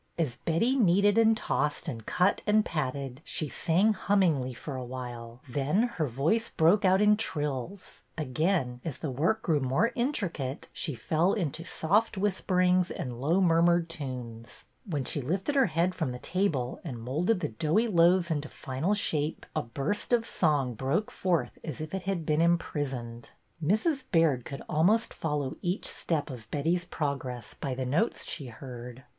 As Betty kneaded and tossed and cut and patted, she sang hummingly for a while, then her voice broke out in trills ; again, as the work grew more intricate, she fell into soft whisper ings and low murmured tunes; when she lifted her head from the table and moulded the doughy loaves into final shape, a burst of song broke forth as if it had been imprisoned. Mrs. Baird could almost follow each step of Betty's progress by the notes she heard.